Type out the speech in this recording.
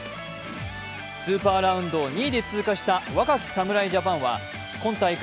ラウンドを２位で通過した若き侍ジャパンは今大会